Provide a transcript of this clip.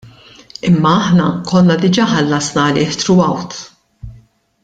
Imma aħna konna diġà ħallasna għalih throughout.